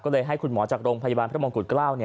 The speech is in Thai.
ก็เลยให้คุณหมอจากโรงพยาบาลพระมงกุฎเกล้า